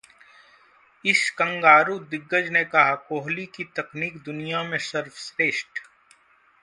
इस कंगारू दिग्गज ने कहा- कोहली की तकनीक दुनिया में सर्वश्रेष्ठ